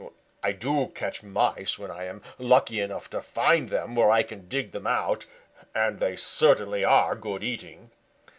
I do catch Mice when I am lucky enough to find them where I can dig them out, and they certainly are good eating."